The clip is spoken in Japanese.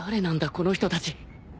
この人たち